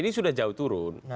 ini sudah jauh turun